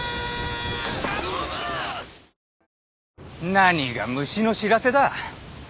何が虫の知らせだ。